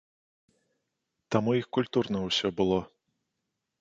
Там у іх культурна ўсё было.